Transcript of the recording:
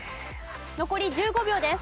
残り１５秒です。